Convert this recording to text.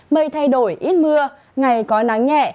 mây thay đổi ít mưa ngày có nắng nhẹ